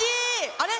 あれ？